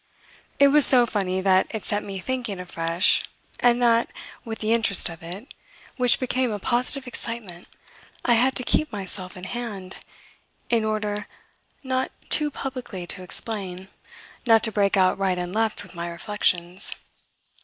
It was so funny that it set me thinking afresh and that, with the interest of it, which became a positive excitement, I had to keep myself in hand in order not too publicly to explain, not to break out right and left with my reflections.